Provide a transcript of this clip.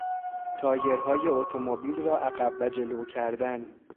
تایرهای اتومبیل را عقب و جلو کردن